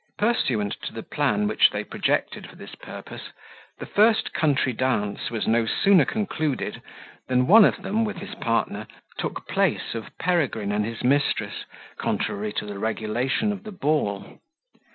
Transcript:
Pursuant to the plan which they projected for this purpose, the first country dance was no sooner concluded, than one of them, with his partner, took place of Peregrine and his mistress, contrary to the regulation of the ball.